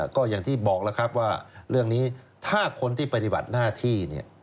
ก็อย่างที่บอกแล้วครับว่าเรื่องนี้ถ้าคนที่ปฏิบัติหน้าที่เนี่ย